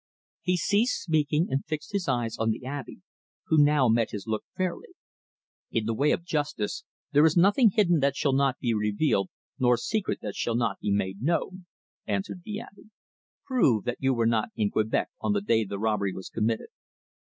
He ceased speaking, and fixed his eyes on the Abbe, who now met his look fairly. "In the way of justice, there is nothing hidden that shall not be revealed, nor secret that shall not be made known," answered the Abbe. "Prove that you were not in Quebec on the day the robbery was committed."